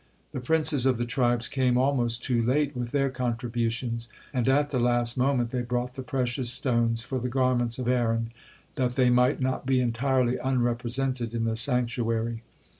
The princes of the tribes came almost too late with their contributions, and at the last moment they brought the precious stones for the garments of Aaron, that they might not be entirely unrepresented in the sanctuary.